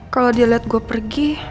kalau dia liat gue pergi